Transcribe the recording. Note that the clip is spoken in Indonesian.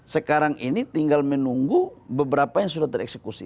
sekarang ini tinggal menunggu beberapa yang sudah tereksekusi